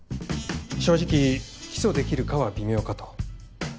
正直起訴できるかは微妙かと。